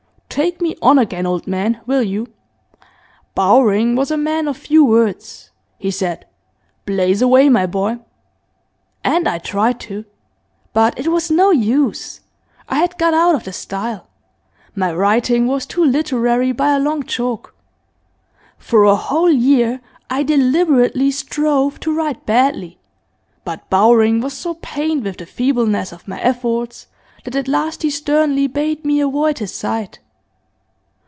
"Take me on again, old man, will you?" Bowring was a man of few words; he said, "Blaze away, my boy." And I tried to. But it was no use; I had got out of the style; my writing was too literary by a long chalk. For a whole year I deliberately strove to write badly, but Bowring was so pained with the feebleness of my efforts that at last he sternly bade me avoid his sight.